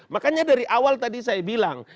makanya dari awal tadi saya bilang